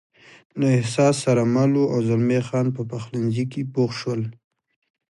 له احساس سره مل و، او زلمی خان په پخلنځي کې بوخت شول.